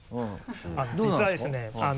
実はですね。